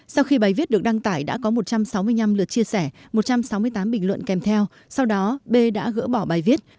sau khi bài viết được đăng tải đã có một trăm sáu mươi năm lượt chia sẻ một trăm sáu mươi tám bình luận kèm theo sau đó b đã gỡ bỏ bài viết